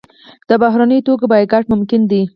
د بهرنیو توکو بایکاټ ممکن دی؟